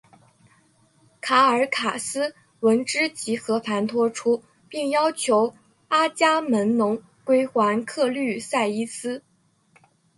卡尔卡斯闻之即和盘托出并要求阿伽门侬归还克律塞伊斯。